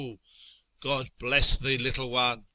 (" God bless thee, little one